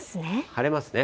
晴れますね。